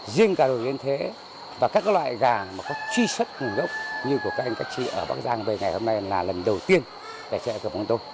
riêng gà đồi yên thế và các loại gà có truy xuất nguồn gốc như của các anh cách trị ở bắc giang về ngày hôm nay là lần đầu tiên để chạy vào chợ bóng tôn